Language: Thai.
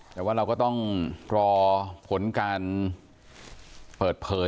แต่ว่าเราก็ต้องรอผลการเปิดเผย